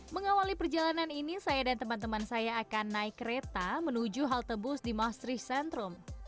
mengawali perjalanan ini saya dan teman teman saya akan naik kereta menuju halte bus di masrich centrum